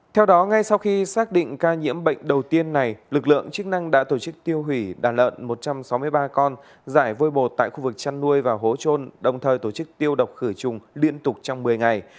theo đó ngay sau khi xác định ca nhiễm bệnh đầu tiên này lực lượng chức năng đã tổ chức tiêu hủy đàn lợn một trăm sáu mươi ba con giải vôi bột tại khu vực chăn nuôi và hố trôn đồng thời tổ chức tiêu độc khử trùng liên tục trong một mươi ngày